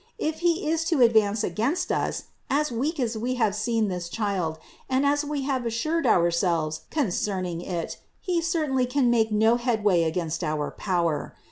If He is to advance against us as weak as we have seen this Child and as we have assured ourselves concerning It, He certainly can make no headway against our power.